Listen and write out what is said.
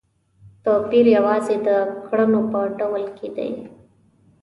توپیر یوازې د کړنو په ډول کې دی.